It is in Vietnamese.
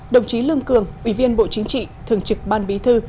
đồng chí lương cường ủy viên bộ chính trị thường trực ban bí thư